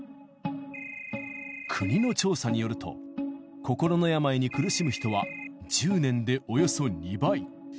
国の調査によると、心の病に苦しむ人は１０年でおよそ２倍。